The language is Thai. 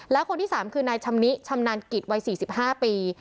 แล้วคนที่สามคือนายชำนิชำนานกิจวัยสี่สิบห้าปี